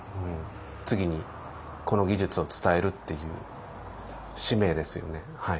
次にこの技術を伝えるっていう使命ですよね。